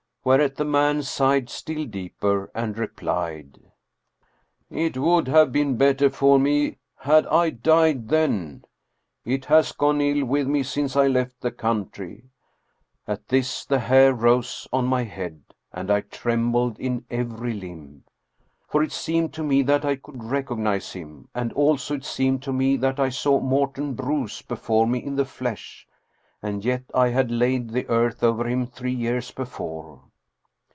Whereat the man sighed still deeper and replied :" It would have been better for me had I died then. It has gone ill with me since I left the country." At this the hair rose on my head, and I trembled in every limb. For it seemed to me that I could recognize him, and also it seemed to me that I saw Morten Bruus before me in the flesh, and yet I had laid the earth over him three years before.